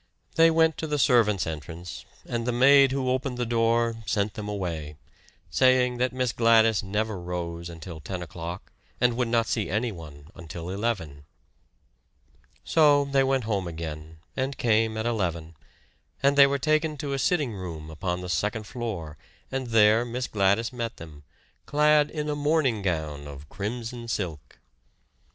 They went to the servants' entrance, and the maid who opened the door sent them away, saying that Miss Gladys never rose until ten o'clock and would not see anyone until eleven. So they went home again and came at eleven; and they were taken to a sitting room upon the second floor and there Miss Gladys met them, clad in a morning gown of crimson silk.